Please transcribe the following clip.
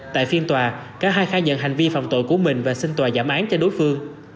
tại phiên tòa cả hai khai nhận hành vi phạm tội của mình và xin tòa giảm án cho đối phương